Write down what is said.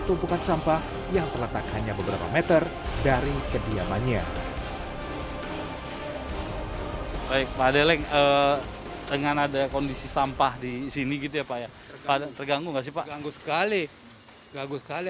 terganggu sekali terganggu sekali